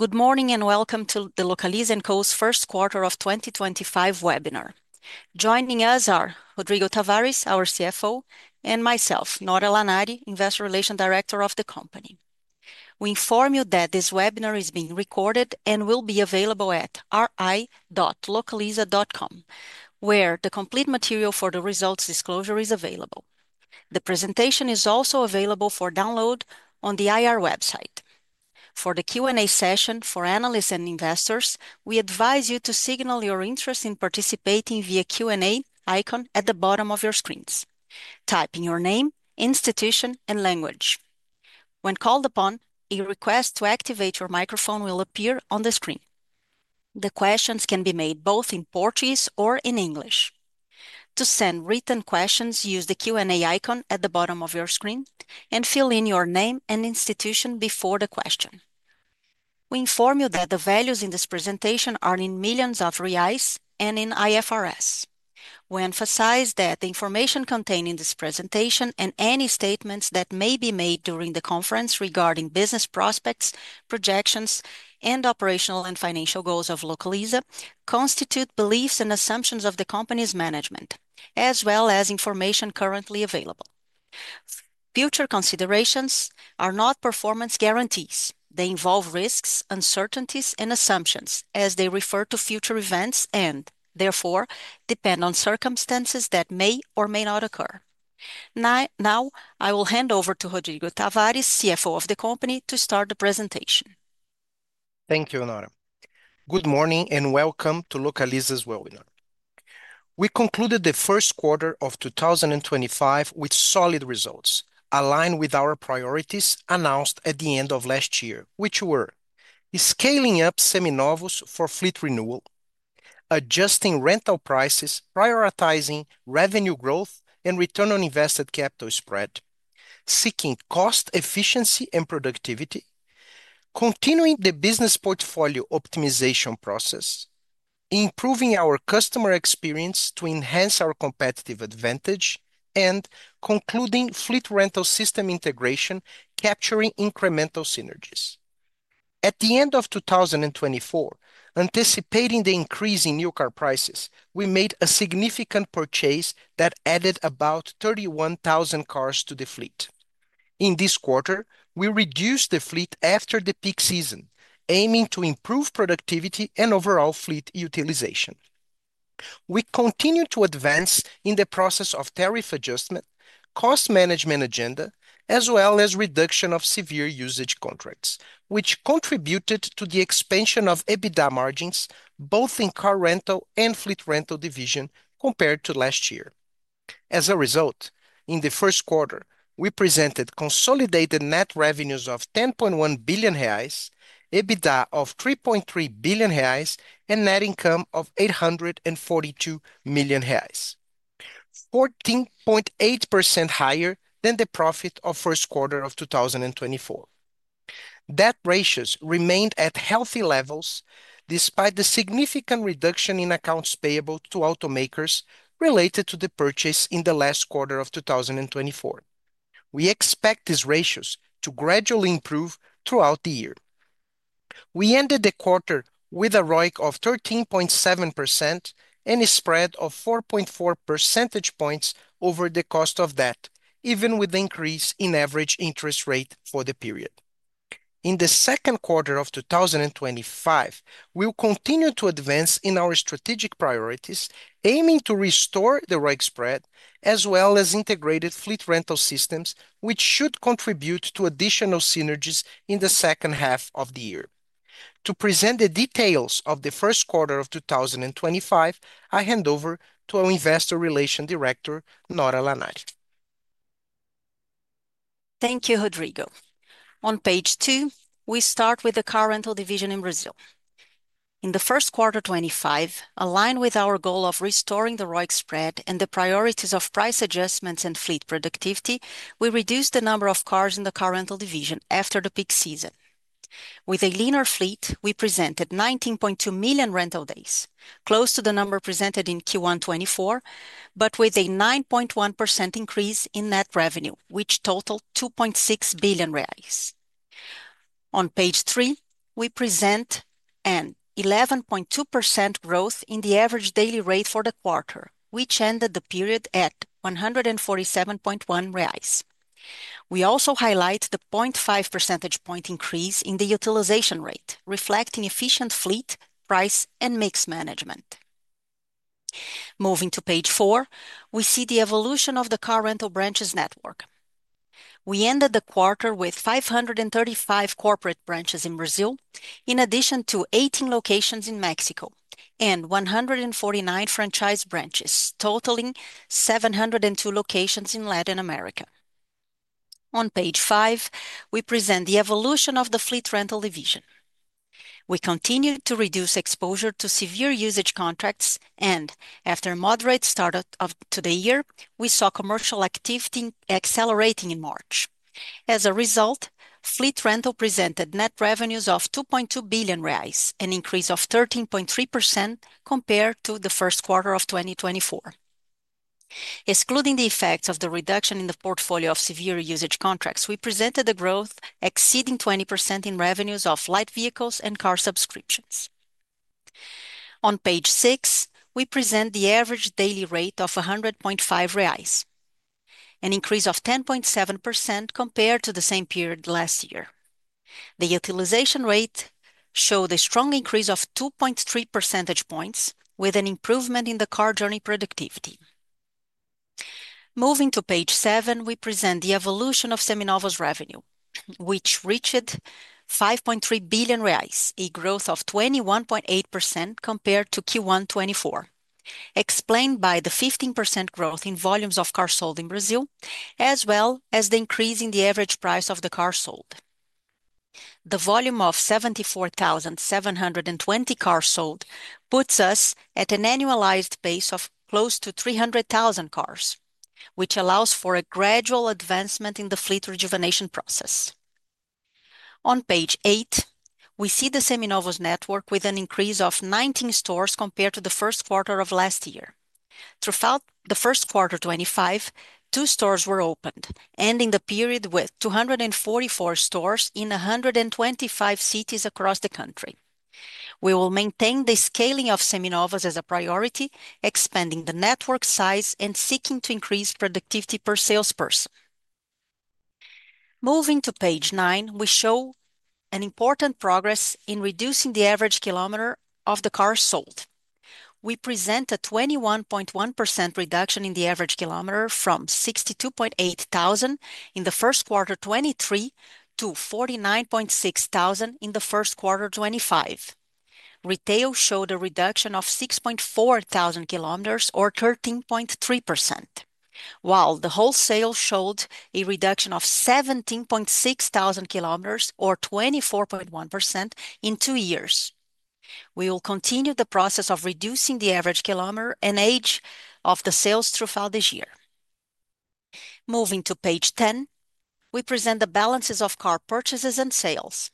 Good morning and welcome to the Localiza & Co's first quarter of 2025 webinar. Joining us are Rodrigo Tavares, our CFO, and myself, Nora Lanari, Investor Relations Director of the company. We inform you that this webinar is being recorded and will be available at ri.localiza.com, where the complete material for the results disclosure is available. The presentation is also available for download on the IR website. For the Q&A session for analysts and investors, we advise you to signal your interest in participating via the Q&A icon at the bottom of your screens. Type in your name, institution, and language. When called upon, a request to activate your microphone will appear on the screen. The questions can be made both in Portuguese or in English. To send written questions, use the Q&A icon at the bottom of your screen and fill in your name and institution before the question. We inform you that the values in this presentation are in millions of reais and in IFRS. We emphasize that the information contained in this presentation and any statements that may be made during the conference regarding business prospects, projections, and operational and financial goals of Localiza constitute beliefs and assumptions of the company's management, as well as information currently available. Future considerations are not performance guarantees. They involve risks, uncertainties, and assumptions, as they refer to future events and, therefore, depend on circumstances that may or may not occur. Now, I will hand over to Rodrigo Tavares, CFO of the company, to start the presentation. Thank you, Nora. Good morning and welcome to Localiza's webinar. We concluded the first quarter of 2025 with solid results aligned with our priorities announced at the end of last year, which were scaling up Seminovos for fleet renewal, adjusting rental prices, prioritizing revenue growth and return on invested capital spread, seeking cost efficiency and productivity, continuing the business portfolio optimization process, improving our customer experience to enhance our competitive advantage, and concluding fleet rental system integration, capturing incremental synergies. At the end of 2024, anticipating the increase in new car prices, we made a significant purchase that added about 31,000 cars to the fleet. In this quarter, we reduced the fleet after the peak season, aiming to improve productivity and overall fleet utilization. We continued to advance in the process of tariff adjustment, cost management agenda, as well as reduction of severe usage contracts, which contributed to the expansion of EBITDA margins both in Car Rental and Fleet Rental division compared to last year. As a result, in the first quarter, we presented consolidated net revenues of 10.1 billion reais, EBITDA of 3.3 billion reais, and net income of 842 million reais, 14.8% higher than the profit of first quarter of 2023. That ratio remained at healthy levels despite the significant reduction in accounts payable to automakers related to the purchase in the last quarter of 2023. We expect this ratio to gradually improve throughout the year. We ended the quarter with a ROIC of 13.7% and a spread of 4.4 percentage points over the cost of debt, even with an increase in average interest rate for the period. In the second quarter of 2025, we will continue to advance in our strategic priorities, aiming to restore the ROIC spread as well as integrated fleet rental systems, which should contribute to additional synergies in the second half of the year. To present the details of the first quarter of 2025, I hand over to our Investor Relations Director, Nora Lanari. Thank you, Rodrigo. On page two, we start with the Car Rental division in Brazil. In the first quarter 2025, aligned with our goal of restoring the ROIC spread and the priorities of price adjustments and fleet productivity, we reduced the number of cars in the Car Rental division after the peak season. With a leaner fleet, we presented 19.2 million rental days, close to the number presented in Q1 2024, but with a 9.1% increase in net revenue, which totaled 2.6 billion reais. On page three, we present an 11.2% growth in the average daily rate for the quarter, which ended the period at 147.1 reais. We also highlight the 0.5 percentage point increase in the utilization rate, reflecting efficient fleet, price, and mix management. Moving to page four, we see the evolution of the Car Rental branches network. We ended the quarter with 535 corporate branches in Brazil, in addition to 18 locations in Mexico and 149 franchise branches, totaling 702 locations in Latin America. On page five, we present the evolution of the fleet rental division. We continued to reduce exposure to severe usage contracts and, after a moderate start of the year, we saw commercial activity accelerating in March. As a result, fleet rental presented net revenues of 2.2 billion reais, an increase of 13.3% compared to the first quarter of 2024. Excluding the effects of the reduction in the portfolio of severe usage contracts, we presented a growth exceeding 20% in revenues of light vehicles and car subscriptions. On page six, we present the average daily rate of 100.5 reais, an increase of 10.7% compared to the same period last year. The utilization rate showed a strong increase of 2.3 percentage points, with an improvement in the car journey productivity. Moving to page seven, we present the evolution of Seminovos revenue, which reached 5.3 billion reais, a growth of 21.8% compared to Q1 2024, explained by the 15% growth in volumes of cars sold in Brazil, as well as the increase in the average price of the car sold. The volume of 74,720 cars sold puts us at an annualized pace of close to 300,000 cars, which allows for a gradual advancement in the fleet rejuvenation process. On page eight, we see the Seminovos network with an increase of 19 stores compared to the first quarter of last year. Throughout the first quarter 2025, two stores were opened, ending the period with 244 stores in 125 cities across the country. We will maintain the scaling of Seminovos as a priority, expanding the network size and seeking to increase productivity per salesperson. Moving to page nine, we show an important progress in reducing the average kilometer of the cars sold. We present a 21.1% reduction in the average kilometer from 62,800 in the first quarter 2023 to 49,600 in the first quarter 2025. Retail showed a reduction of 6,400 kilometers or 13.3%, while the wholesale showed a reduction of 17,600 kilometers or 24.1% in two years. We will continue the process of reducing the average kilometer and age of the sales throughout this year. Moving to page ten, we present the balances of car purchases and sales.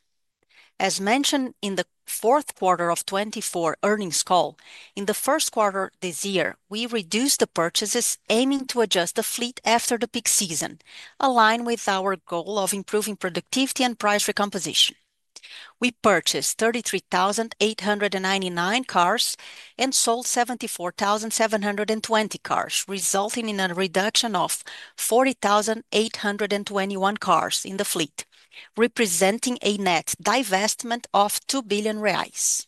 As mentioned in the fourth quarter of 2024 earnings call, in the first quarter this year, we reduced the purchases, aiming to adjust the fleet after the peak season, aligned with our goal of improving productivity and price recomposition. We purchased 33,899 cars and sold 74,720 cars, resulting in a reduction of 40,821 cars in the fleet, representing a net divestment of 2 billion reais.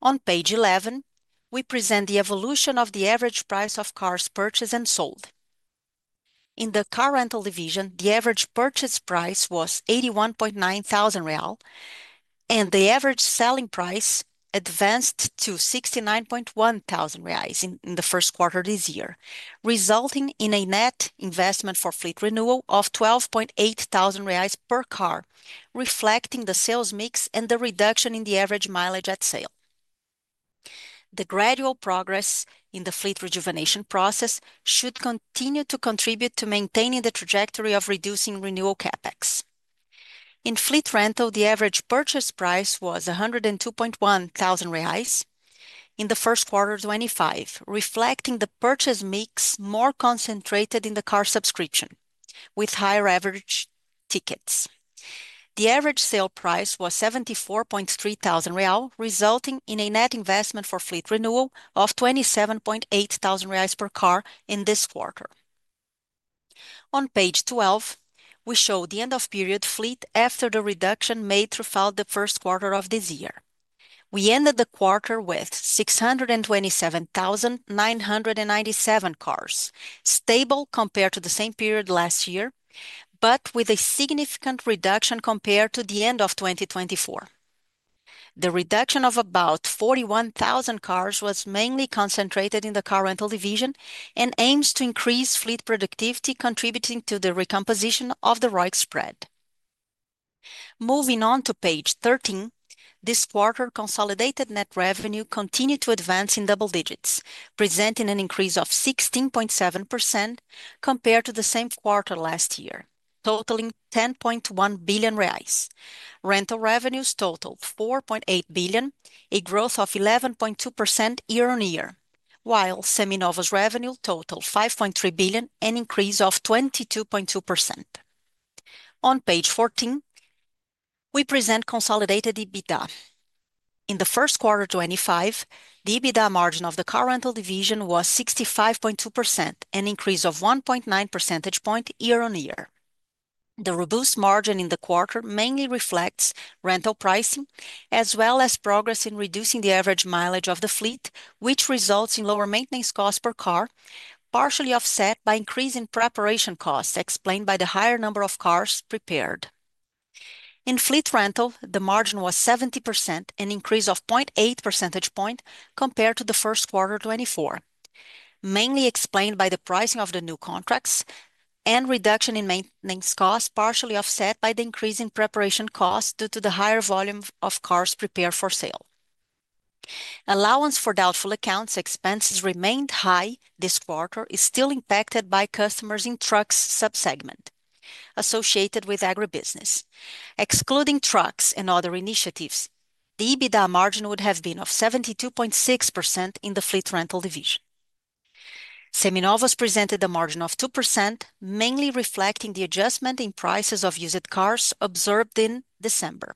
On page 11, we present the evolution of the average price of cars purchased and sold. In the Car Rental division, the average purchase price was 81,900 real, and the average selling price advanced to 69,100 reais in the first quarter this year, resulting in a net investment for fleet renewal of 12,800 reais per car, reflecting the sales mix and the reduction in the average mileage at sale. The gradual progress in the fleet rejuvenation process should continue to contribute to maintaining the trajectory of reducing renewal CapEx. In fleet rental, the average purchase price was 102,100 reais in the first quarter 2025, reflecting the purchase mix more concentrated in the car subscription, with higher average tickets. The average sale price was 74,300 real, resulting in a net investment for fleet renewal of 27,800 reais per car in this quarter. On page 12, we show the end-of-period fleet after the reduction made throughout the first quarter of this year. We ended the quarter with 627,997 cars, stable compared to the same period last year, but with a significant reduction compared to the end of 2024. The reduction of about 41,000 cars was mainly concentrated in the Car Rental division and aims to increase fleet productivity, contributing to the recomposition of the ROIC spread. Moving on to page 13, this quarter consolidated net revenue continued to advance in double digits, presenting an increase of 16.7% compared to the same quarter last year, totaling 10.1 billion reais. Rental revenues totaled 4.8 billion, a growth of 11.2% year on year, while Seminovos revenue totaled 5.3 billion, an increase of 22.2%. On page 14, we present consolidated EBITDA. In the first quarter 2025, the EBITDA margin of the Car Rental division was 65.2%, an increase of 1.9 percentage points year on year. The robust margin in the quarter mainly reflects rental pricing, as well as progress in reducing the average mileage of the fleet, which results in lower maintenance costs per car, partially offset by increasing preparation costs explained by the higher number of cars prepared. In Fleet Rental, the margin was 70%, an increase of 0.8 percentage points compared to the first quarter 2024, mainly explained by the pricing of the new contracts and reduction in maintenance costs, partially offset by the increase in preparation costs due to the higher volume of cars prepared for sale. Allowance for doubtful accounts expenses remained high this quarter, still impacted by customers in the trucks subsegment associated with agribusiness. Excluding trucks and other initiatives, the EBITDA margin would have been 72.6% in the Fleet Rental division. Seminovos presented a margin of 2%, mainly reflecting the adjustment in prices of used cars observed in December.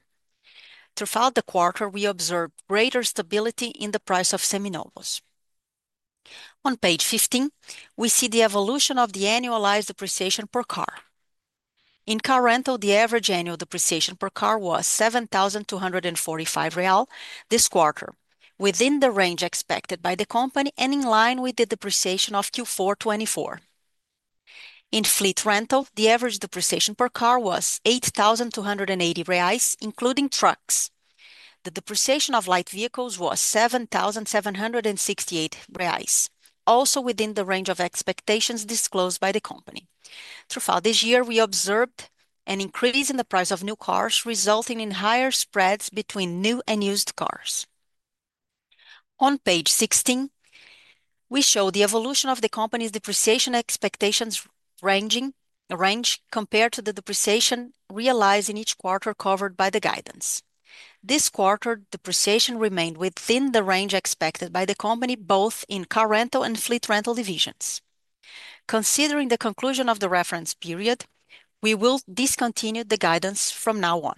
Throughout the quarter, we observed greater stability in the price of Seminovos. On page 15, we see the evolution of the annualized depreciation per car. In Car Rental, the average annual depreciation per car was 7,245 real this quarter, within the range expected by the company and in line with the depreciation of Q4 2024. In Fleet Rental, the average depreciation per car was 8,280 reais, including trucks. The depreciation of light vehicles was 7,768 reais, also within the range of expectations disclosed by the company. Throughout this year, we observed an increase in the price of new cars, resulting in higher spreads between new and used cars. On page 16, we show the evolution of the company's depreciation expectations range compared to the depreciation realized in each quarter covered by the guidance. This quarter, depreciation remained within the range expected by the company, both in Car Rental and Fleet Rental divisions. Considering the conclusion of the reference period, we will discontinue the guidance from now on.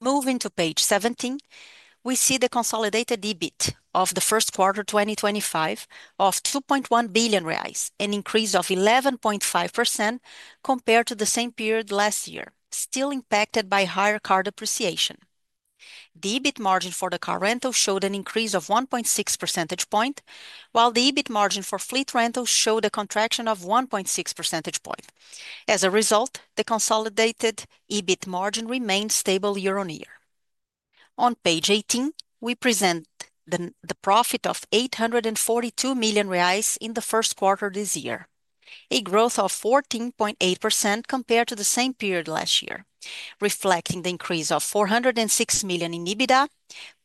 Moving to page 17, we see the consolidated EBIT of the first quarter 2025 of 2.1 billion reais, an increase of 11.5% compared to the same period last year, still impacted by higher car depreciation. The EBIT margin for the car rental showed an increase of 1.6 percentage points, while the EBIT margin for fleet rental showed a contraction of 1.6 percentage points. As a result, the consolidated EBIT margin remained stable year on year. On page 18, we present the profit of 842 million reais in the first quarter this year, a growth of 14.8% compared to the same period last year, reflecting the increase of 406 million in EBITDA,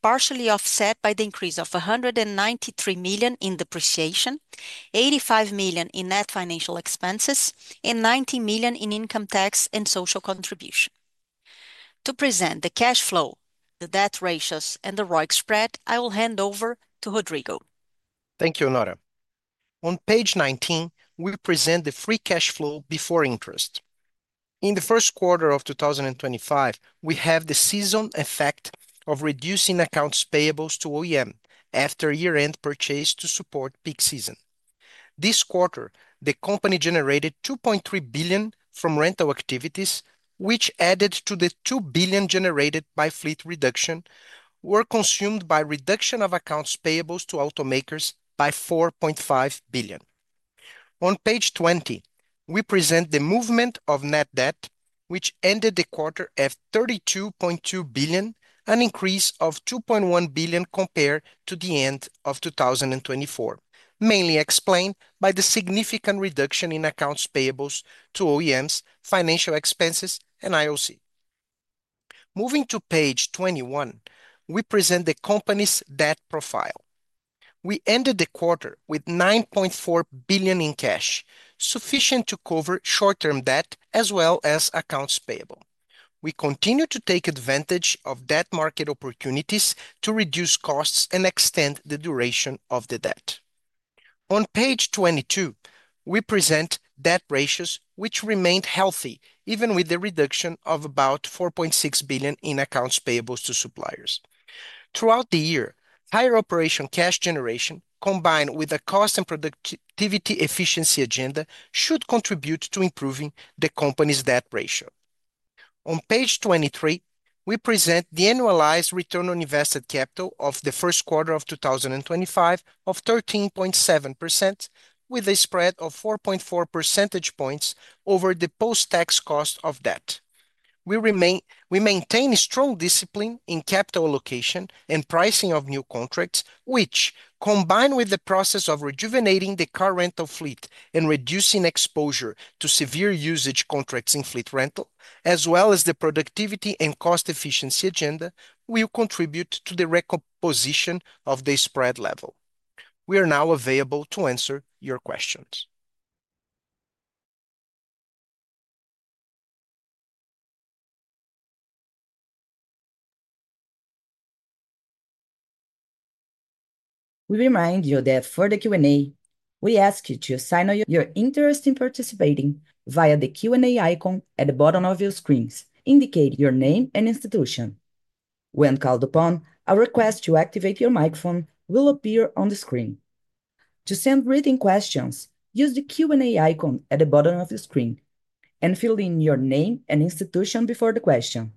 partially offset by the increase of 193 million in depreciation, 85 million in net financial expenses, and 19 million in income tax and social contribution. To present the cash flow, the debt ratios, and the ROIC spread, I will hand over to Rodrigo. Thank you, Nora. On page 19, we present the free cash flow before interest. In the first quarter of 2025, we have the seasonal effect of reducing accounts payables to OEM after year-end purchase to support peak season. This quarter, the company generated 2.3 billion from rental activities, which added to the 2 billion generated by fleet reduction, were consumed by reduction of accounts payables to automakers by 4.5 billion. On page 20, we present the movement of net debt, which ended the quarter at 32.2 billion, an increase of 2.1 billion compared to the end of 2024, mainly explained by the significant reduction in accounts payables to OEMs, financial expenses, and IOC. Moving to page 21, we present the company's debt profile. We ended the quarter with 9.4 billion in cash, sufficient to cover short-term debt as well as accounts payable. We continue to take advantage of debt market opportunities to reduce costs and extend the duration of the debt. On page 22, we present debt ratios, which remained healthy even with the reduction of about 4.6 billion in accounts payables to suppliers. Throughout the year, higher operation cash generation, combined with a cost and productivity efficiency agenda, should contribute to improving the company's debt ratio. On page 23, we present the annualized return on invested capital of the first quarter of 2025 of 13.7%, with a spread of 4.4 percentage points over the post-tax cost of debt. We maintain strong discipline in capital allocation and pricing of new contracts, which, combined with the process of rejuvenating the car rental fleet and reducing exposure to severe usage contracts in fleet rental, as well as the productivity and cost efficiency agenda, will contribute to the recomposition of the spread level. We are now available to answer your questions. We remind you that for the Q&A, we ask you to sign your interest in participating via the Q&A icon at the bottom of your screens, indicating your name and institution. When called upon, a request to activate your microphone will appear on the screen. To send written questions, use the Q&A icon at the bottom of your screen and fill in your name and institution before the question.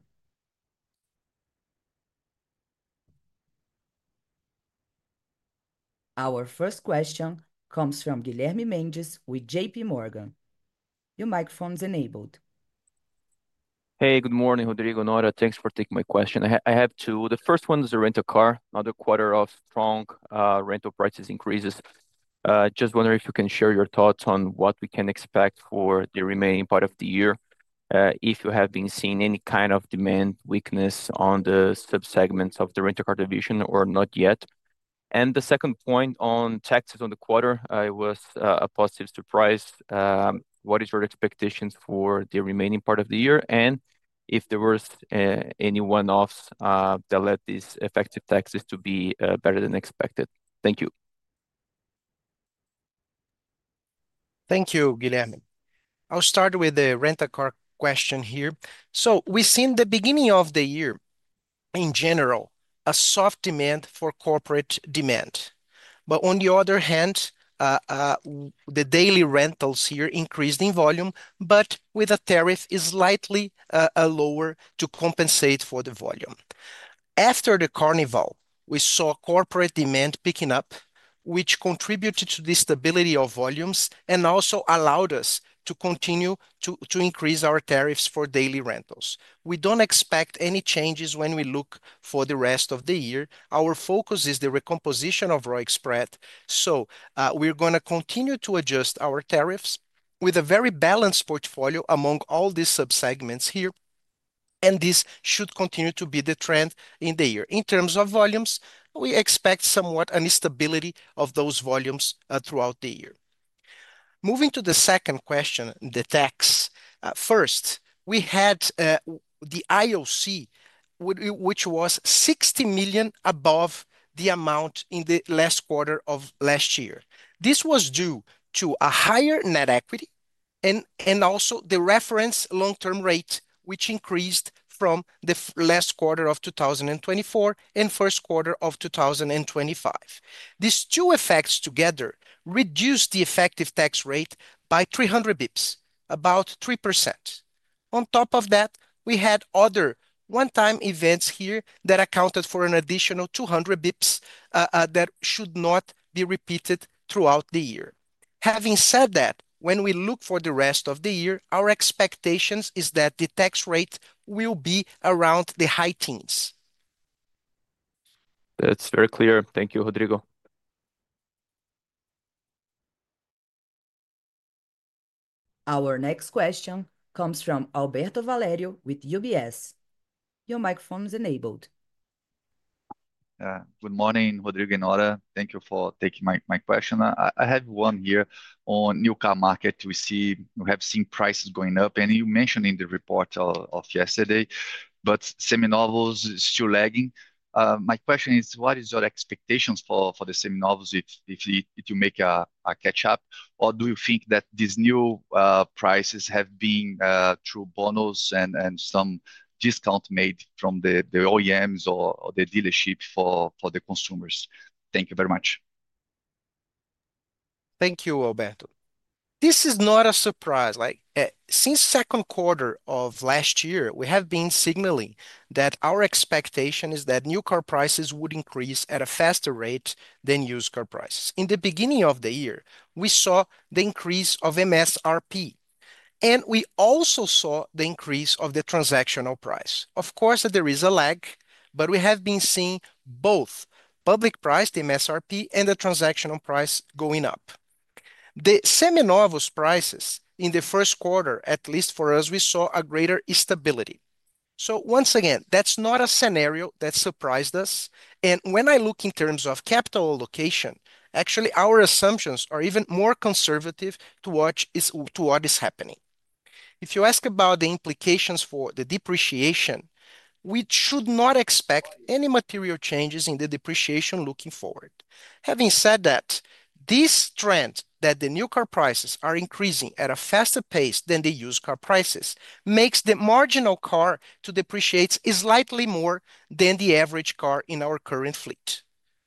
Our first question comes from Guilherme Mendes with JPMorgan. Your microphone is enabled. Hey, good morning, Rodrigo. Nora, thanks for taking my question. I have two. The first one is the rental car. Another quarter of strong rental prices increases. Just wondering if you can share your thoughts on what we can expect for the remaining part of the year, if you have been seeing any kind of demand weakness on the subsegments of the rental car division or not yet. The second point on taxes on the quarter was a positive surprise. What is your expectation for the remaining part of the year and if there were any one-offs that led these effective taxes to be better than expected? Thank you. Thank you, Guilherme. I'll start with the rental car question here. We see in the beginning of the year, in general, a soft demand for corporate demand. On the other hand, the daily rentals here increased in volume, but with a tariff slightly lower to compensate for the volume. After the carnival, we saw corporate demand picking up, which contributed to the stability of volumes and also allowed us to continue to increase our tariffs for daily rentals. We do not expect any changes when we look for the rest of the year. Our focus is the recomposition of ROIC spread. We are going to continue to adjust our tariffs with a very balanced portfolio among all these subsegments here. This should continue to be the trend in the year. In terms of volumes, we expect somewhat an instability of those volumes throughout the year. Moving to the second question, the tax. First, we had the IOC, which was 60 million above the amount in the last quarter of last year. This was due to a higher net equity and also the reference long-term rate, which increased from the last quarter of 2024 and first quarter of 2025. These two effects together reduced the effective tax rate by 300 basis points, about 3%. On top of that, we had other one-time events here that accounted for an additional 200 basis points that should not be repeated throughout the year. Having said that, when we look for the rest of the year, our expectation is that the tax rate will be around the high teens. That's very clear. Thank you, Rodrigo. Our next question comes from Alberto Valerio with UBS. Your microphone is enabled. Good morning, Rodrigo and Nora. Thank you for taking my question. I have one here on new car market. We have seen prices going up, and you mentioned in the report of yesterday, but Seminovos is still lagging. My question is, what are your expectations for the Seminovos if you make a catch-up, or do you think that these new prices have been through bonus and some discount made from the OEMs or the dealership for the consumers? Thank you very much. Thank you, Alberto. This is not a surprise. Since the second quarter of last year, we have been signaling that our expectation is that new car prices would increase at a faster rate than used car prices. In the beginning of the year, we saw the increase of MSRP, and we also saw the increase of the transactional price. Of course, there is a lag, but we have been seeing both public price, the MSRP, and the transactional price going up. The Seminovos prices in the first quarter, at least for us, we saw a greater stability. Once again, that's not a scenario that surprised us. When I look in terms of capital allocation, actually, our assumptions are even more conservative towards what is happening. If you ask about the implications for the depreciation, we should not expect any material changes in the depreciation looking forward. Having said that, this trend that the new car prices are increasing at a faster pace than the used car prices makes the marginal car to depreciate slightly more than the average car in our current fleet.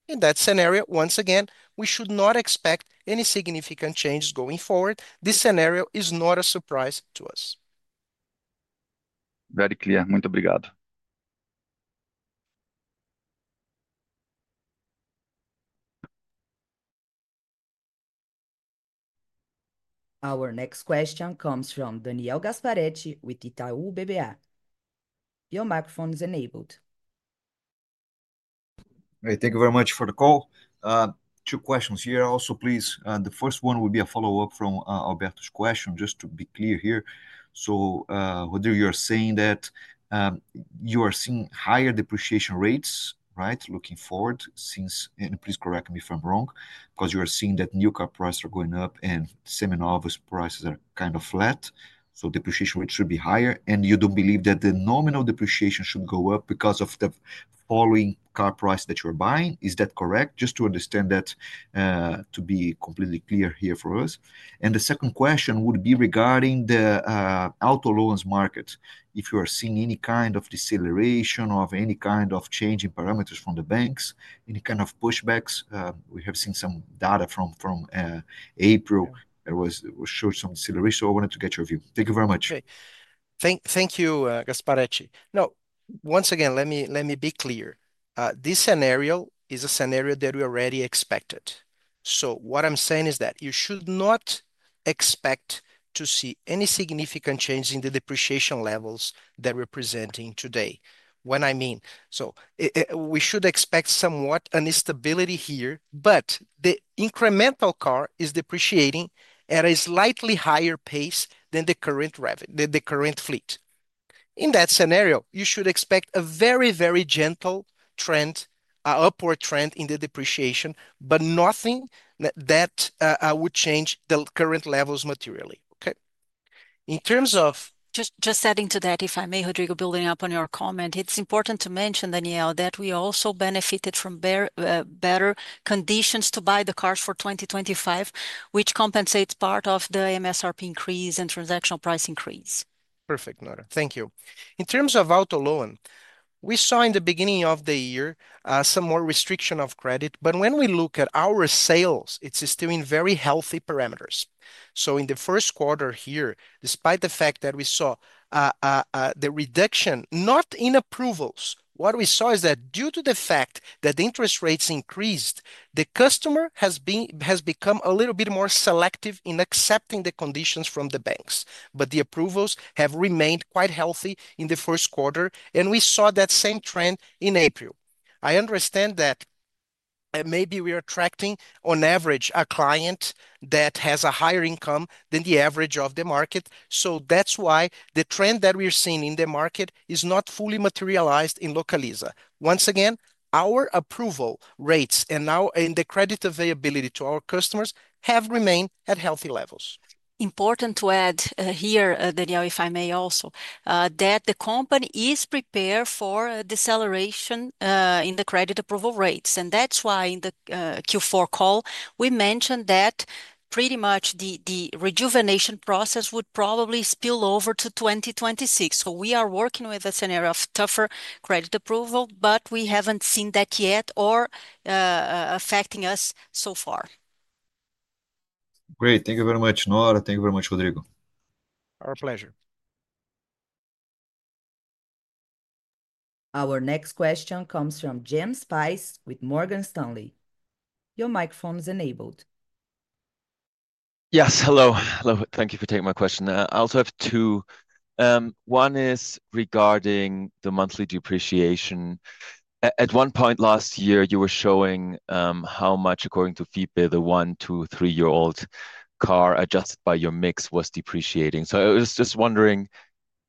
In that scenario, once again, we should not expect any significant changes going forward. This scenario is not a surprise to us. Very clear. Muito obrigado. Our next question comes from Daniel Gasparete with Itaú BBA. Your microphone is enabled. Thank you very much for the call. Two questions here. Also, please, the first one will be a follow-up from Alberto's question, just to be clear here. So Rodrigo, you're saying that you are seeing higher depreciation rates, right, looking forward since, and please correct me if I'm wrong, because you are seeing that new car prices are going up and Seminovos prices are kind of flat. So depreciation rates should be higher. You don't believe that the nominal depreciation should go up because of the following car price that you're buying. Is that correct? Just to understand that, to be completely clear here for us. The second question would be regarding the auto loans market. If you are seeing any kind of deceleration of any kind of change in parameters from the banks, any kind of pushbacks? We have seen some data from April that showed some deceleration. I wanted to get your view. Thank you very much. Thank you, Gasparete. Now, once again, let me be clear. This scenario is a scenario that we already expected. What I'm saying is that you should not expect to see any significant change in the depreciation levels that we're presenting today. When I mean, we should expect somewhat an instability here, but the incremental car is depreciating at a slightly higher pace than the current fleet. In that scenario, you should expect a very, very gentle upward trend in the depreciation, but nothing that would change the current levels materially. Okay? In terms of. Just adding to that, if I may, Rodrigo, building up on your comment, it's important to mention, Daniel, that we also benefited from better conditions to buy the cars for 2025, which compensates part of the MSRP increase and transactional price increase. Perfect, Nora. Thank you. In terms of auto loan, we saw in the beginning of the year some more restriction of credit, but when we look at our sales, it is still in very healthy parameters. In the first quarter here, despite the fact that we saw the reduction, not in approvals, what we saw is that due to the fact that the interest rates increased, the customer has become a little bit more selective in accepting the conditions from the banks. The approvals have remained quite healthy in the first quarter, and we saw that same trend in April. I understand that maybe we are attracting, on average, a client that has a higher income than the average of the market. That is why the trend that we are seeing in the market is not fully materialized in Localiza. Once again, our approval rates and now in the credit availability to our customers have remained at healthy levels. Important to add here, Daniel, if I may also, that the company is prepared for deceleration in the credit approval rates. That is why in the Q4 call, we mentioned that pretty much the rejuvenation process would probably spill over to 2026. We are working with a scenario of tougher credit approval, but we have not seen that yet or affecting us so far. Great. Thank you very much, Nora. Thank you very much, Rodrigo. Our pleasure. Our next question comes from Jens Spiess with Morgan Stanley. Your microphone is enabled. Yes, hello. Thank you for taking my question. I also have two. One is regarding the monthly depreciation. At one point last year, you were showing how much, according to FIPE, the one, two, three-year-old car adjusted by your mix was depreciating. I was just wondering,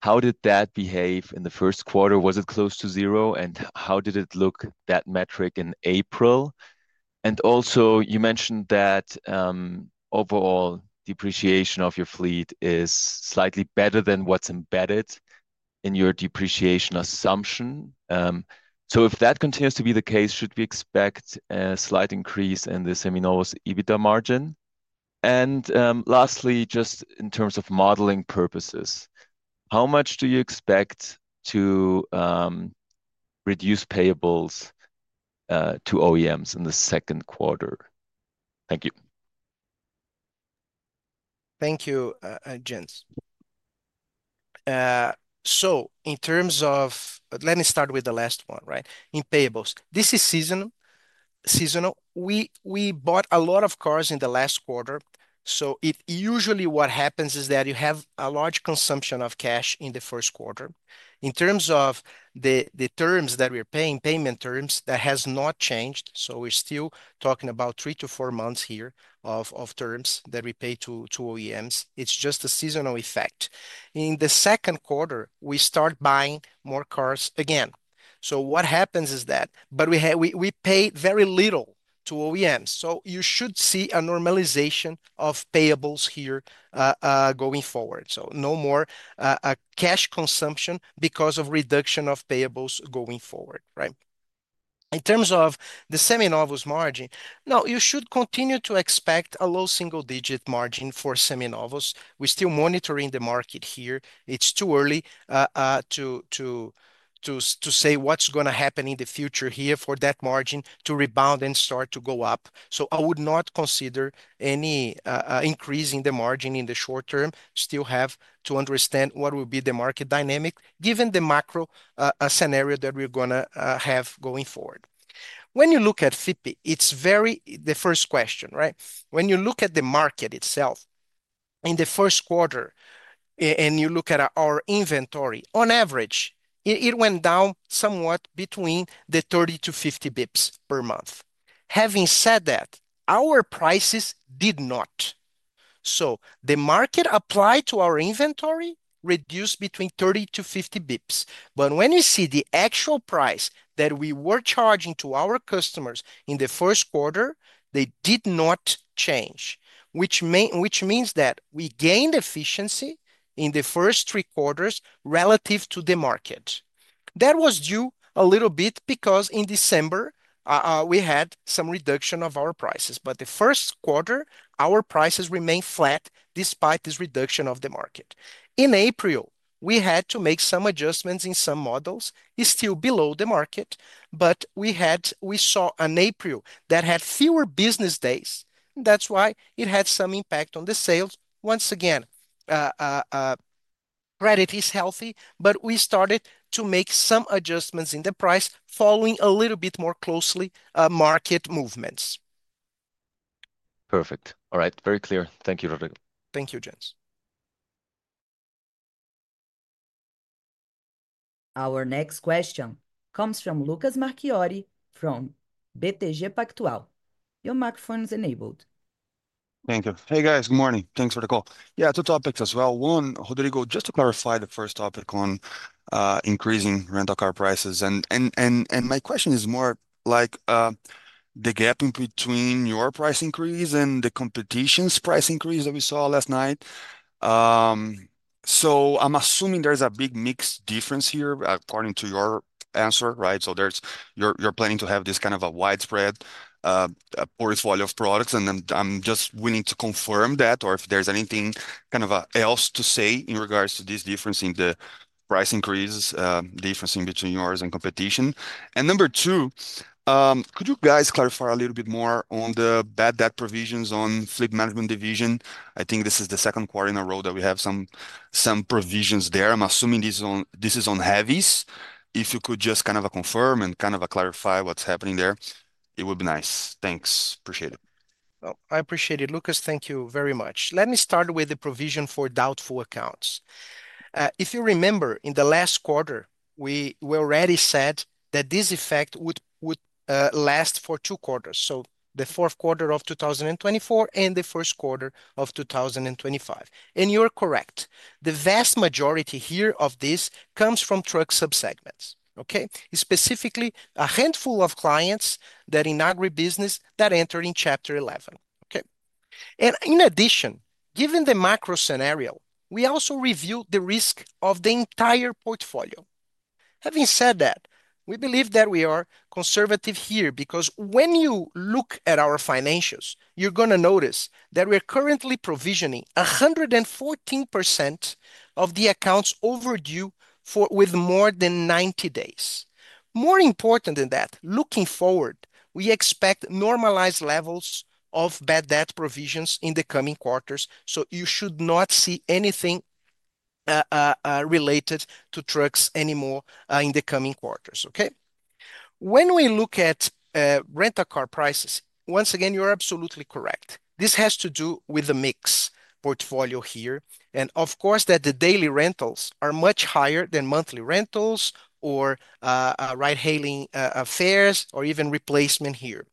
how did that behave in the first quarter? Was it close to zero? How did it look, that metric in April? You mentioned that overall depreciation of your fleet is slightly better than what's embedded in your depreciation assumption. If that continues to be the case, should we expect a slight increase in the Seminovos EBITDA margin? Lastly, just in terms of modeling purposes, how much do you expect to reduce payables to OEMs in the second quarter? Thank you. Thank you, Jim. In terms of, let me start with the last one, right? In payables, this is seasonal. We bought a lot of cars in the last quarter. Usually what happens is that you have a large consumption of cash in the first quarter. In terms of the terms that we're paying, payment terms, that has not changed. We're still talking about three to four months here of terms that we pay to OEMs. It is just a seasonal effect. In the second quarter, we start buying more cars again. What happens is that we pay very little to OEMs. You should see a normalization of payables here going forward. No more cash consumption because of reduction of payables going forward, right? In terms of the Seminovos margin, no, you should continue to expect a low single-digit margin for Seminovos. We're still monitoring the market here. It's too early to say what's going to happen in the future here for that margin to rebound and start to go up. I would not consider any increase in the margin in the short term. Still have to understand what will be the market dynamic given the macro scenario that we're going to have going forward. When you look at FIPE, it's very, the first question, right? When you look at the market itself in the first quarter and you look at our inventory, on average, it went down somewhat between 30-50 basis points per month. Having said that, our prices did not. The market applied to our inventory reduced between 30-50 basis points. When you see the actual price that we were charging to our customers in the first quarter, they did not change, which means that we gained efficiency in the first three quarters relative to the market. That was due a little bit because in December, we had some reduction of our prices. The first quarter, our prices remained flat despite this reduction of the market. In April, we had to make some adjustments in some models. It is still below the market, but we saw in April that it had fewer business days. That is why it had some impact on the sales. Once again, credit is healthy, but we started to make some adjustments in the price following a little bit more closely market movements. Perfect. All right. Very clear. Thank you, Rodrigo. Thank you, Jens. Our next question comes from Lucas Marquiori from BTG Pactual. Your microphone is enabled. Thank you. Hey, guys, good morning. Thanks for the call. Yeah, two topics as well. One, Rodrigo, just to clarify the first topic on increasing rental car prices. And my question is more like the gap between your price increase and the competition's price increase that we saw last night. I'm assuming there's a big mix difference here according to your answer, right? You're planning to have this kind of a widespread portfolio of products, and I'm just willing to confirm that, or if there's anything kind of else to say in regards to this difference in the price increase, difference in between yours and competition. Number two, could you guys clarify a little bit more on the bad debt provisions on fleet management division? I think this is the second quarter in a row that we have some provisions there. I'm assuming this is on heavies. If you could just kind of confirm and kind of clarify what's happening there, it would be nice. Thanks. Appreciate it. I appreciate it. Lucas, thank you very much. Let me start with the provision for doubtful accounts. If you remember, in the last quarter, we already said that this effect would last for two quarters, so the fourth quarter of 2024 and the first quarter of 2025. You are correct. The vast majority here of this comes from truck subsegments, okay? Specifically, a handful of clients that are in agribusiness that enter in Chapter 11, okay? In addition, given the macro scenario, we also reviewed the risk of the entire portfolio. Having said that, we believe that we are conservative here because when you look at our financials, you are going to notice that we are currently provisioning 114% of the accounts overdue with more than 90 days. More important than that, looking forward, we expect normalized levels of bad debt provisions in the coming quarters. You should not see anything related to trucks anymore in the coming quarters, okay? When we look at rental car prices, once again, you're absolutely correct. This has to do with the mixed portfolio here. Of course, the daily rentals are much higher than monthly rentals or ride-hailing fares or even replacement here.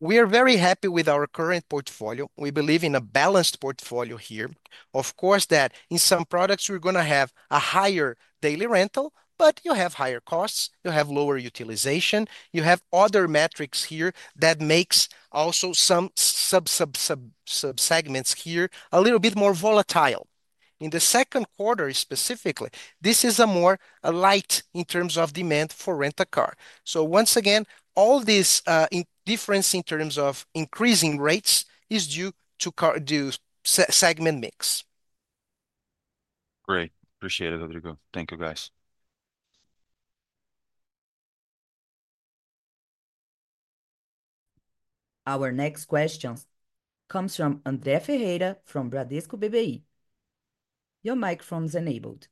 We are very happy with our current portfolio. We believe in a balanced portfolio here. Of course, in some products, we're going to have a higher daily rental, but you have higher costs, you have lower utilization, you have other metrics here that make also some subsegments here a little bit more volatile. In the second quarter, specifically, this is more light in terms of demand for rental car. Once again, all this difference in terms of increasing rates is due to segment mix. Great. Appreciate it, Rodrigo. Thank you, guys. Our next question comes from Andre Ferreira from Bradesco BBI. Your microphone is enabled.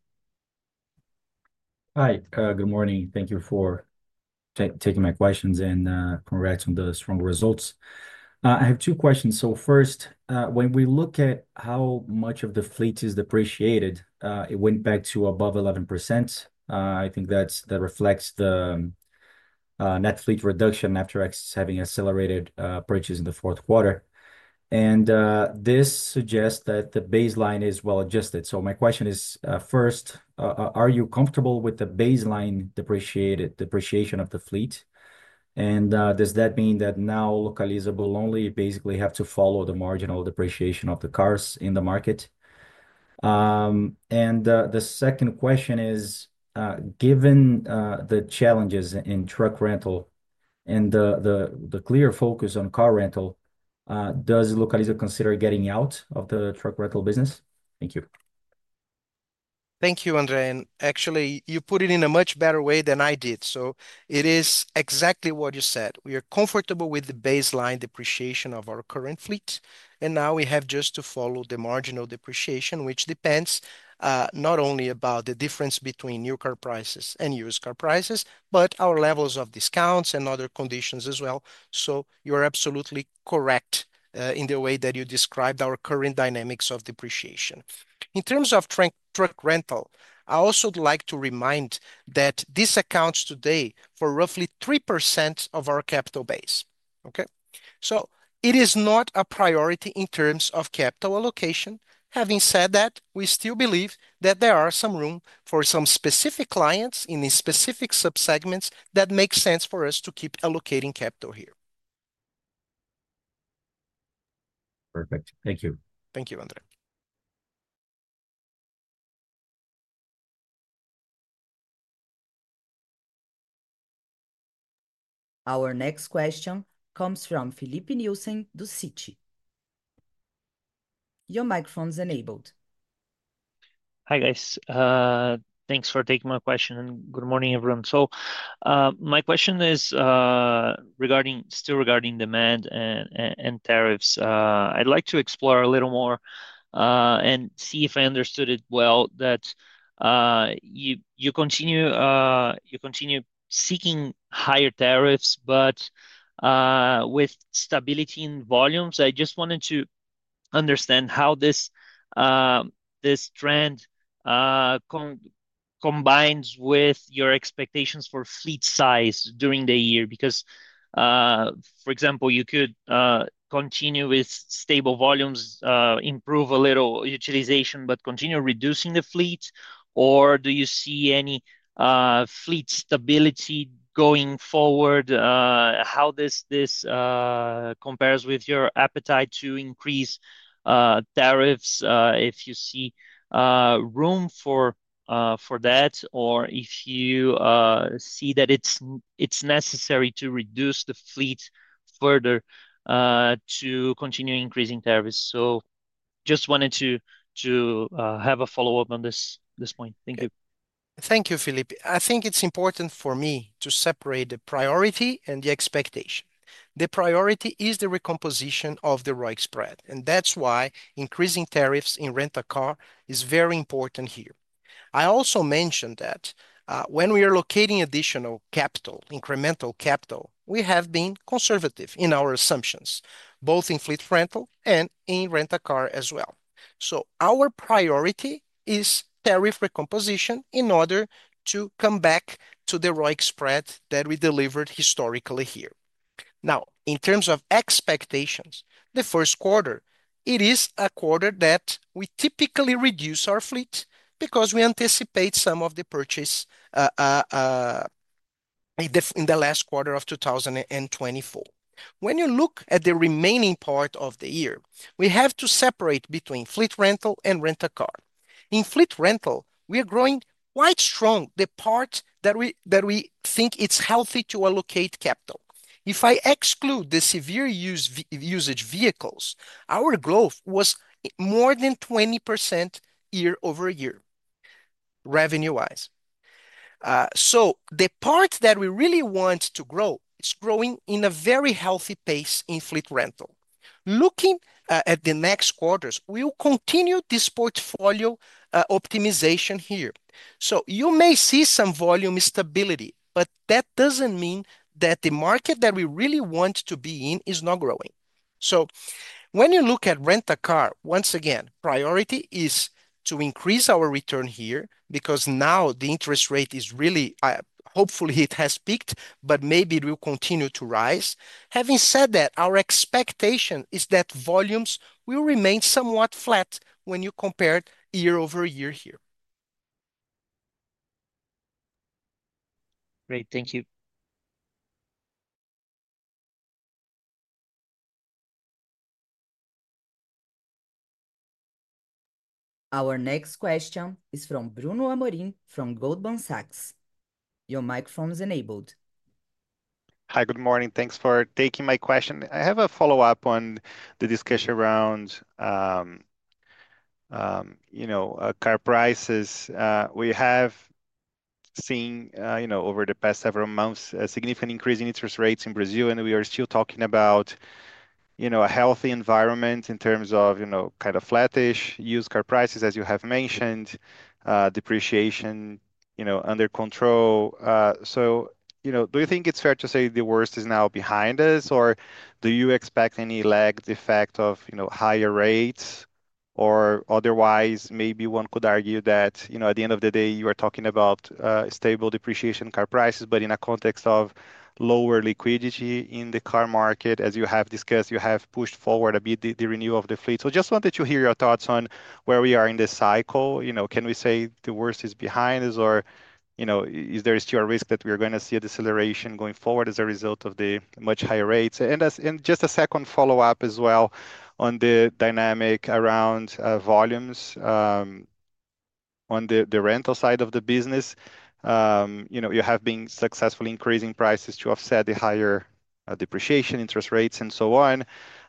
Hi, good morning. Thank you for taking my questions and congratulating the strong results. I have two questions. First, when we look at how much of the fleet is depreciated, it went back to above 11%. I think that reflects the net fleet reduction after having accelerated purchases in the fourth quarter. This suggests that the baseline is well adjusted. My question is, are you comfortable with the baseline depreciation of the fleet? Does that mean that now Localiza will only basically have to follow the marginal depreciation of the cars in the market? The second question is, given the challenges in truck rental and the clear focus on car rental, does Localiza consider getting out of the truck rental business? Thank you. Thank you, Andre. Actually, you put it in a much better way than I did. It is exactly what you said. We are comfortable with the baseline depreciation of our current fleet. Now we have just to follow the marginal depreciation, which depends not only on the difference between new car prices and used car prices, but our levels of discounts and other conditions as well. You are absolutely correct in the way that you described our current dynamics of depreciation. In terms of truck rental, I also would like to remind that this accounts today for roughly 3% of our capital base. Okay? It is not a priority in terms of capital allocation. Having said that, we still believe that there is some room for some specific clients in specific subsegments that makes sense for us to keep allocating capital here. Perfect. Thank you. Thank you, Andre. Our next question comes from Filipe Nielsen at Citi. Your microphone is enabled. Hi, guys. Thanks for taking my question. Good morning, everyone. My question is still regarding demand and tariffs. I'd like to explore a little more and see if I understood it well, that you continue seeking higher tariffs, but with stability in volumes. I just wanted to understand how this trend combines with your expectations for fleet size during the year. For example, you could continue with stable volumes, improve a little utilization, but continue reducing the fleet. Do you see any fleet stability going forward? How does this compare with your appetite to increase tariffs if you see room for that, or if you see that it is necessary to reduce the fleet further to continue increasing tariffs? I just wanted to have a follow-up on this point. Thank you. Thank you, Filipe. I think it's important for me to separate the priority and the expectation. The priority is the recomposition of the right spread. That's why increasing tariffs in rental car is very important here. I also mentioned that when we are allocating additional capital, incremental capital, we have been conservative in our assumptions, both in fleet rental and in rental car as well. Our priority is tariff recomposition in order to come back to the right spread that we delivered historically here. Now, in terms of expectations, the first quarter, it is a quarter that we typically reduce our fleet because we anticipate some of the purchase in the last quarter of 2024. When you look at the remaining part of the year, we have to separate between fleet rental and rental car. In fleet rental, we are growing quite strong, the part that we think it's healthy to allocate capital. If I exclude the severe usage vehicles, our growth was more than 20% year over year revenue-wise. The part that we really want to grow, it's growing at a very healthy pace in fleet rental. Looking at the next quarters, we will continue this portfolio optimization here. You may see some volume stability, but that does not mean that the market that we really want to be in is not growing. When you look at car rental, once again, priority is to increase our return here because now the interest rate is really, hopefully, it has peaked, but maybe it will continue to rise. Having said that, our expectation is that volumes will remain somewhat flat when you compare year over year here. Great. Thank you. Our next question is from Bruno Amorim from Goldman Sachs. Your microphone is enabled. Hi, good morning. Thanks for taking my question. I have a follow-up on the discussion around car prices. We have seen over the past several months a significant increase in interest rates in Brazil, and we are still talking about a healthy environment in terms of kind of flattish used car prices, as you have mentioned, depreciation under control. Do you think it's fair to say the worst is now behind us, or do you expect any lagged effect of higher rates? Otherwise, maybe one could argue that at the end of the day, you are talking about stable depreciation car prices, but in a context of lower liquidity in the car market, as you have discussed, you have pushed forward a bit the renewal of the fleet. I just wanted to hear your thoughts on where we are in the cycle. Can we say the worst is behind us, or is there still a risk that we are going to see a deceleration going forward as a result of the much higher rates? A second follow-up as well on the dynamic around volumes on the rental side of the business. You have been successfully increasing prices to offset the higher depreciation, interest rates, and so on.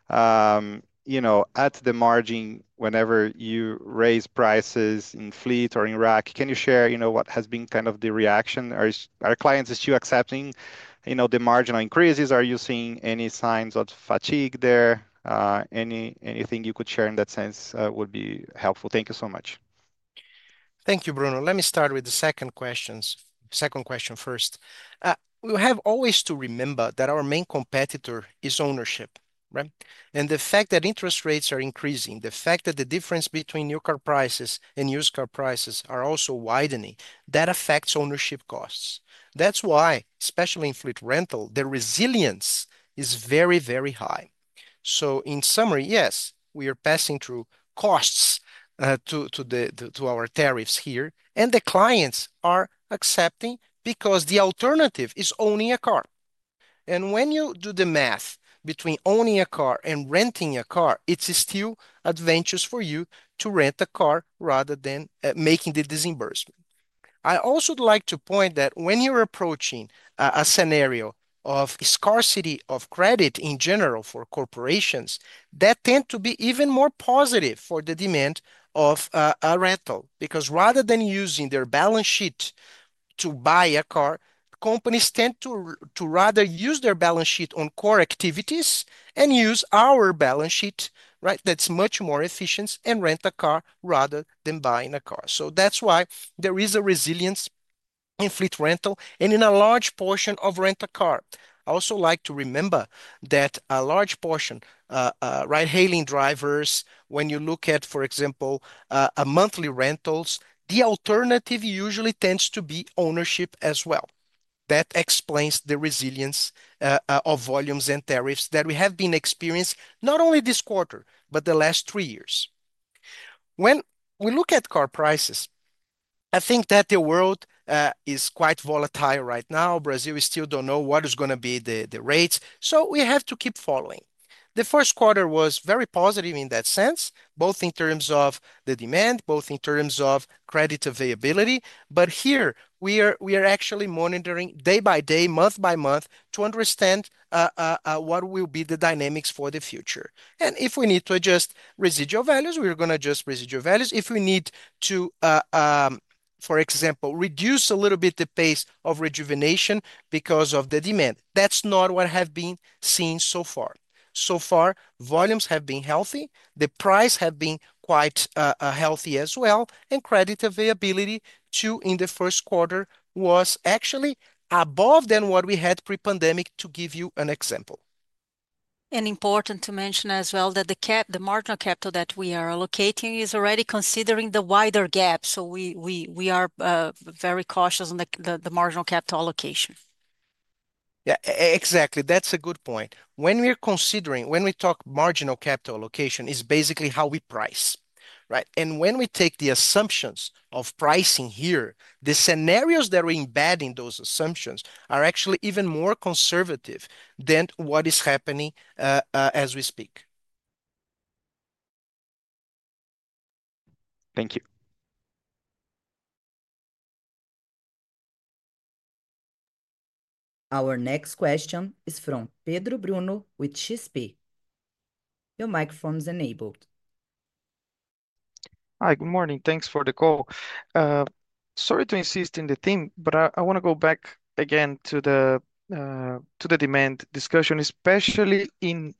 At the margin, whenever you raise prices in fleet or in rack, can you share what has been kind of the reaction? Are clients still accepting the marginal increases? Are you seeing any signs of fatigue there? Anything you could share in that sense would be helpful. Thank you so much. Thank you, Bruno. Let me start with the second question. Second question first. We have always to remember that our main competitor is ownership, right? The fact that interest rates are increasing, the fact that the difference between new car prices and used car prices are also widening, that affects ownership costs. That is why, especially in fleet rental, the resilience is very, very high. In summary, yes, we are passing through costs to our tariffs here, and the clients are accepting because the alternative is owning a car. When you do the math between owning a car and renting a car, it is still advantageous for you to rent a car rather than making the disbursement. I also would like to point that when you're approaching a scenario of scarcity of credit in general for corporations, that tends to be even more positive for the demand of a rental because rather than using their balance sheet to buy a car, companies tend to rather use their balance sheet on core activities and use our balance sheet, right? That's much more efficient and rent a car rather than buying a car. That is why there is a resilience in fleet rental and in a large portion of rental car. I also like to remember that a large portion of ride-hailing drivers, when you look at, for example, monthly rentals, the alternative usually tends to be ownership as well. That explains the resilience of volumes and tariffs that we have been experiencing not only this quarter, but the last three years. When we look at car prices, I think that the world is quite volatile right now. Brazil still does not know what is going to be the rates. We have to keep following. The first quarter was very positive in that sense, both in terms of the demand, both in terms of credit availability. Here, we are actually monitoring day by day, month by month to understand what will be the dynamics for the future. If we need to adjust residual values, we are going to adjust residual values. If we need to, for example, reduce a little bit the pace of rejuvenation because of the demand, that is not what has been seen so far. So far, volumes have been healthy. The price has been quite healthy as well. Credit availability too in the first quarter was actually above what we had pre-pandemic, to give you an example. is important to mention as well that the marginal capital that we are allocating is already considering the wider gap. We are very cautious on the marginal capital allocation. Yeah, exactly. That's a good point. When we're considering, when we talk marginal capital allocation, it's basically how we price, right? And when we take the assumptions of pricing here, the scenarios that we embed in those assumptions are actually even more conservative than what is happening as we speak. Thank you. Our next question is from Pedro Bruno with XP. Your microphone is enabled. Hi, good morning. Thanks for the call. Sorry to insist on the theme, but I want to go back again to the demand discussion, especially in Car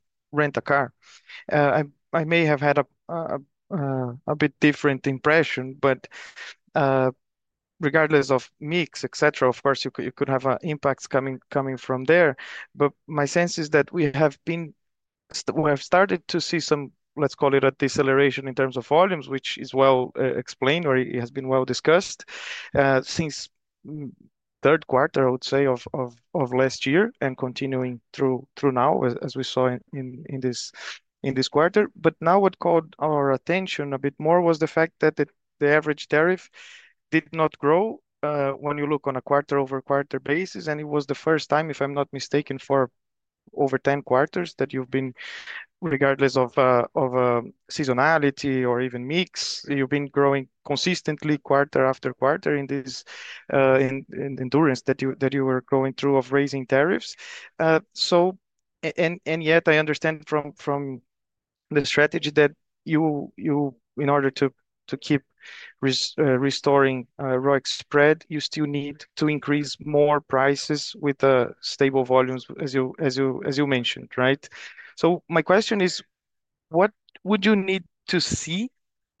Rental. I may have had a bit different impression, but regardless of mix, etc., of course, you could have impacts coming from there. My sense is that we have started to see some, let's call it a deceleration in terms of volumes, which is well explained or has been well discussed since third quarter, I would say, of last year and continuing through now, as we saw in this quarter. Now what caught our attention a bit more was the fact that the average tariff did not grow when you look on a quarter-over-quarter basis. It was the first time, if I'm not mistaken, for over 10 quarters that you've been, regardless of seasonality or even mix, you've been growing consistently quarter after quarter in this endurance that you were going through of raising tariffs. Yet, I understand from the strategy that in order to keep restoring ROIC spread, you still need to increase more prices with stable volumes, as you mentioned, right? My question is, what would you need to see in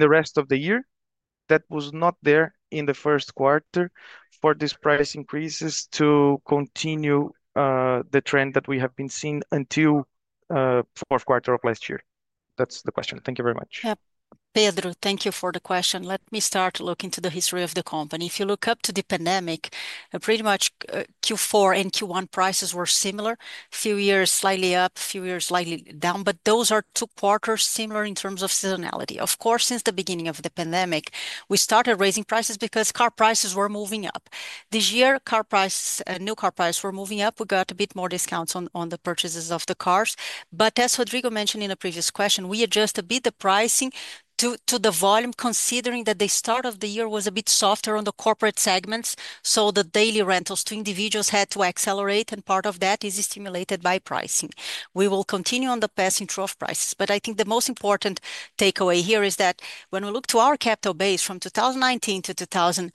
the rest of the year that was not there in the first quarter for these price increases to continue the trend that we have been seeing until fourth quarter of last year? That's the question. Thank you very much. Yeah. Pedro, thank you for the question. Let me start looking to the history of the company. If you look up to the pandemic, pretty much Q4 and Q1 prices were similar. Few years slightly up, few years slightly down, but those are two quarters similar in terms of seasonality. Of course, since the beginning of the pandemic, we started raising prices because car prices were moving up. This year, new car prices were moving up. We got a bit more discounts on the purchases of the cars. As Rodrigo mentioned in a previous question, we adjust a bit the pricing to the volume, considering that the start of the year was a bit softer on the corporate segments. The daily rentals to individuals had to accelerate, and part of that is stimulated by pricing. We will continue on the passing through of prices. I think the most important takeaway here is that when we look to our capital base from 2019 to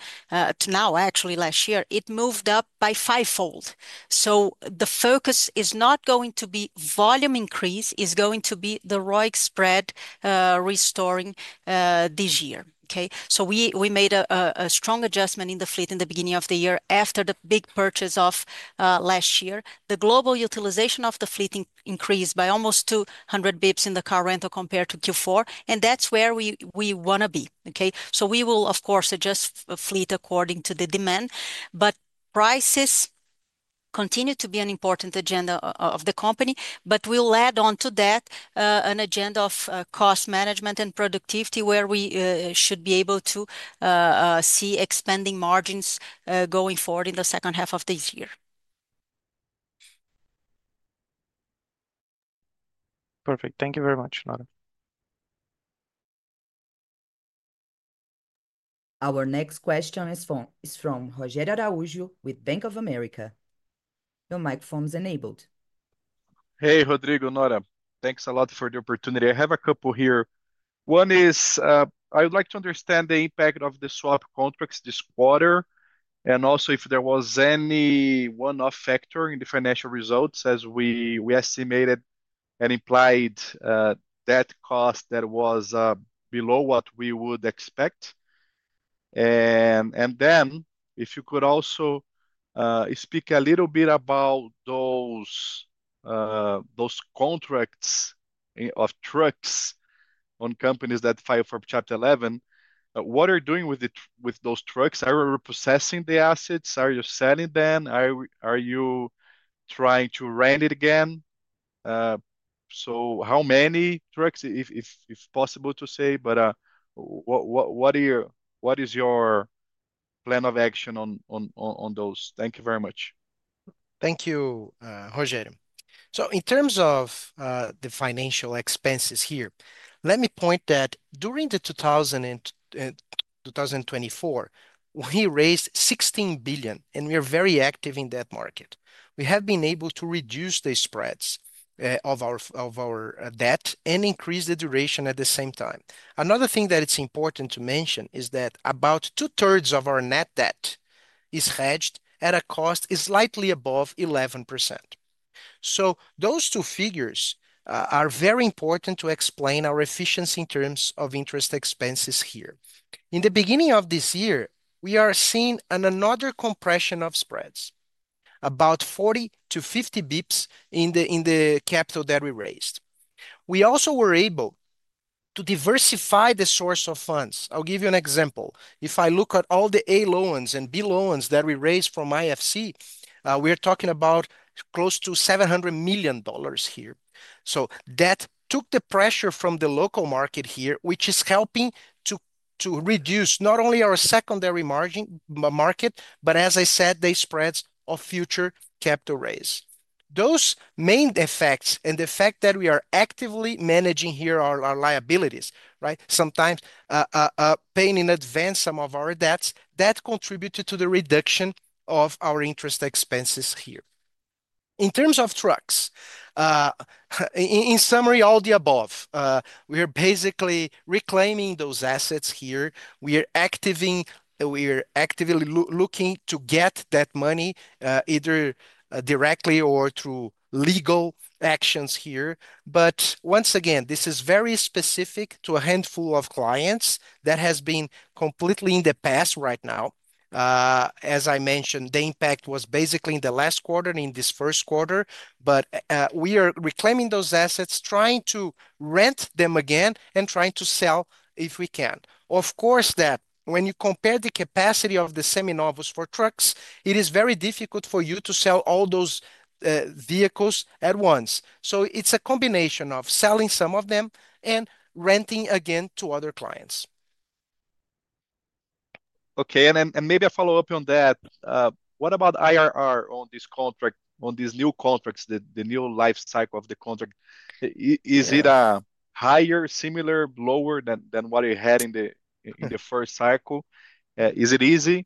now, actually last year, it moved up by fivefold. The focus is not going to be volume increase; it is going to be the ROIC spread restoring this year. Okay? We made a strong adjustment in the fleet in the beginning of the year after the big purchase of last year. The global utilization of the fleet increased by almost 200 basis points in the car rental compared to Q4, and that is where we want to be. Okay? We will, of course, adjust fleet according to the demand, but prices continue to be an important agenda of the company. We will add on to that an agenda of cost management and productivity where we should be able to see expanding margins going forward in the second half of this year. Perfect. Thank you very much, Nora. Our next question is from Rogério Araújo with Bank of America. Your microphone is enabled. Hey, Rodrigo, Nora. Thanks a lot for the opportunity. I have a couple here. One is I would like to understand the impact of the swap contracts this quarter and also if there was any one-off factor in the financial results as we estimated and implied that cost that was below what we would expect. If you could also speak a little bit about those contracts of trucks on companies that file for Chapter 11, what are you doing with those trucks? Are you repossessing the assets? Are you selling them? Are you trying to rent it again? How many trucks, if possible to say, but what is your plan of action on those? Thank you very much. Thank you, Rogério. In terms of the financial expenses here, let me point that during 2024, we raised 16 billion, and we are very active in that market. We have been able to reduce the spreads of our debt and increase the duration at the same time. Another thing that is important to mention is that about two-thirds of our net debt is hedged at a cost slightly above 11%. Those two figures are very important to explain our efficiency in terms of interest expenses here. In the beginning of this year, we are seeing another compression of spreads, about 40-50 basis points in the capital that we raised. We also were able to diversify the source of funds. I'll give you an example. If I look at all the A loans and B loans that we raised from IFC, we are talking about close to $700 million here. That took the pressure from the local market here, which is helping to reduce not only our secondary market, but as I said, the spreads of future capital raise. Those main effects and the fact that we are actively managing here our liabilities, right? Sometimes paying in advance some of our debts, that contributed to the reduction of our interest expenses here. In terms of trucks, in summary, all the above, we are basically reclaiming those assets here. We are actively looking to get that money either directly or through legal actions here. Once again, this is very specific to a handful of clients that has been completely in the past right now. As I mentioned, the impact was basically in the last quarter and in this first quarter, but we are reclaiming those assets, trying to rent them again and trying to sell if we can. Of course, when you compare the capacity of the Seminovos for trucks, it is very difficult for you to sell all those vehicles at once. It is a combination of selling some of them and renting again to other clients. Okay. Maybe a follow-up on that. What about IRR on this contract, on these new contracts, the new life cycle of the contract? Is it a higher, similar, lower than what you had in the first cycle? Is it easy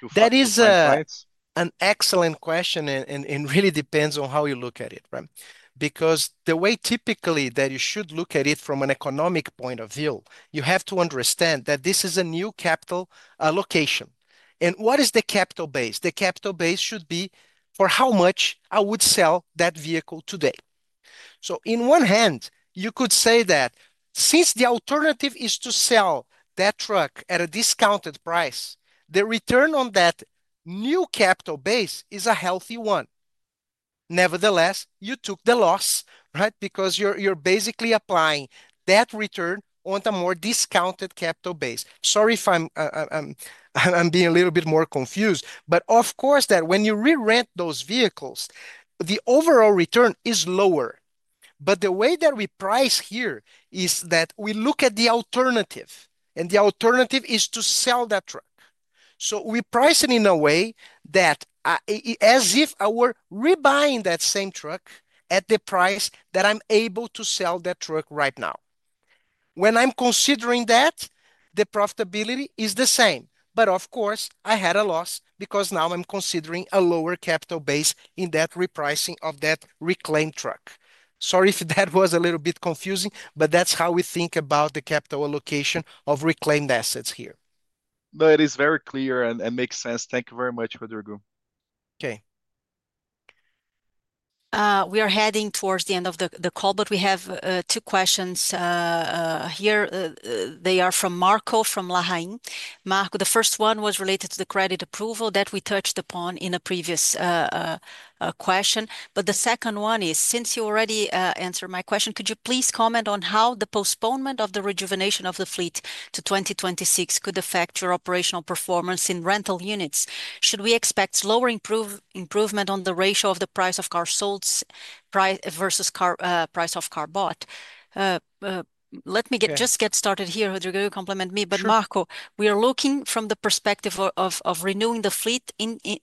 to find clients? That is an excellent question and really depends on how you look at it, right? Because the way typically that you should look at it from an economic point of view, you have to understand that this is a new capital allocation. And what is the capital base? The capital base should be for how much I would sell that vehicle today. So in one hand, you could say that since the alternative is to sell that truck at a discounted price, the return on that new capital base is a healthy one. Nevertheless, you took the loss, right? Because you're basically applying that return on a more discounted capital base. Sorry if I'm being a little bit more confused, but of course, that when you re-rent those vehicles, the overall return is lower. The way that we price here is that we look at the alternative, and the alternative is to sell that truck. We price it in a way that as if I were re-buying that same truck at the price that I'm able to sell that truck right now. When I'm considering that, the profitability is the same. Of course, I had a loss because now I'm considering a lower capital base in that repricing of that reclaimed truck. Sorry if that was a little bit confusing, but that's how we think about the capital allocation of reclaimed assets here. No, it is very clear and makes sense. Thank you very much, Rodrigo. Okay. We are heading towards the end of the call, but we have two questions here. They are from Marco from Lahain. Marco, the first one was related to the credit approval that we touched upon in a previous question. The second one is, since you already answered my question, could you please comment on how the postponement of the rejuvenation of the fleet to 2026 could affect your operational performance in rental units? Should we expect slower improvement on the ratio of the price of car sold versus price of car bought? Let me just get started here, Rodrigo, you compliment me. Marco, we are looking from the perspective of renewing the fleet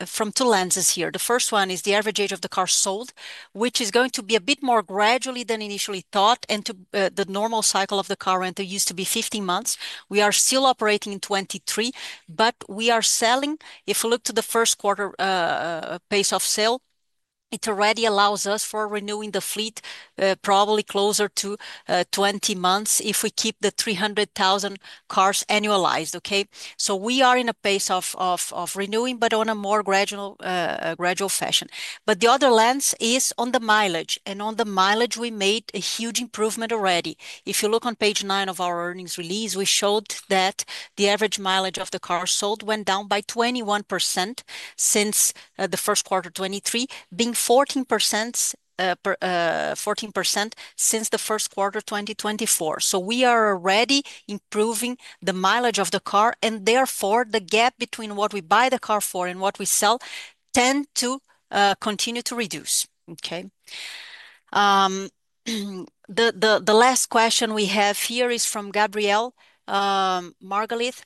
from two lenses here. The first one is the average age of the car sold, which is going to be a bit more gradually than initially thought. The normal cycle of the car rental used to be 15 months. We are still operating in 2023, but we are selling. If we look to the first quarter pace of sale, it already allows us for renewing the fleet probably closer to 20 months if we keep the 300,000 cars annualized, okay? We are in a pace of renewing, but on a more gradual fashion. The other lens is on the mileage. On the mileage, we made a huge improvement already. If you look on page nine of our earnings release, we showed that the average mileage of the car sold went down by 21% since the first quarter 2023, being 14% since the first quarter 2024. We are already improving the mileage of the car, and therefore the gap between what we buy the car for and what we sell tends to continue to reduce, okay? The last question we have here is from Gabrielle Margalith.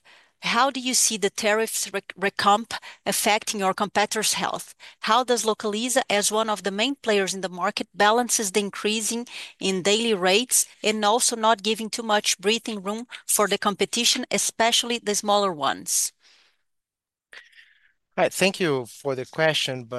How do you see the tariffs recomp affecting your competitors' health? How does Localiza, as one of the main players in the market, balance the increasing in daily rates and also not giving too much breathing room for the competition, especially the smaller ones? All right. Thank you for the question.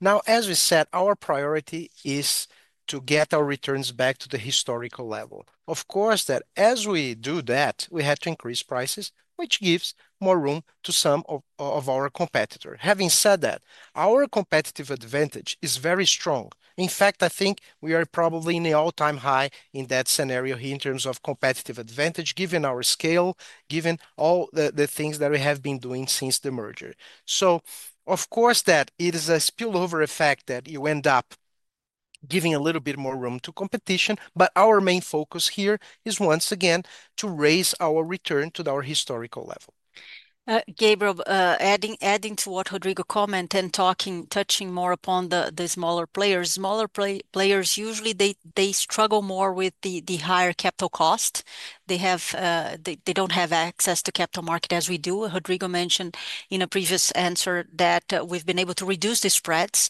Now, as we said, our priority is to get our returns back to the historical level. Of course, as we do that, we had to increase prices, which gives more room to some of our competitors. Having said that, our competitive advantage is very strong. In fact, I think we are probably in the all-time high in that scenario here in terms of competitive advantage, given our scale, given all the things that we have been doing since the merger. Of course, it is a spillover effect that you end up giving a little bit more room to competition, but our main focus here is once again to raise our return to our historical level. Gabriel, adding to what Rodrigo commented and touching more upon the smaller players. Smaller players, usually they struggle more with the higher capital cost. They do not have access to capital market as we do. Rodrigo mentioned in a previous answer that we have been able to reduce the spreads.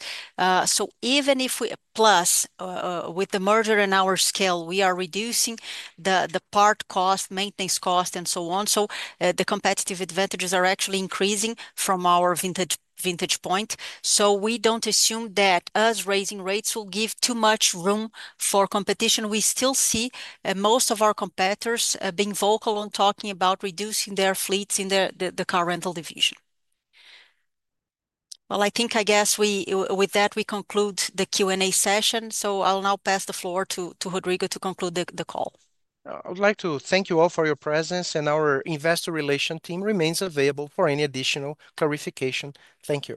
Even if we, plus with the merger and our scale, we are reducing the part cost, maintenance cost, and so on. The competitive advantages are actually increasing from our vantage point. We do not assume that us raising rates will give too much room for competition. We still see most of our competitors being vocal on talking about reducing their fleets in the car rental division. I guess with that, we conclude the Q&A session. I will now pass the floor to Rodrigo to conclude the call. I would like to thank you all for your presence, and our investor relation team remains available for any additional clarification. Thank you.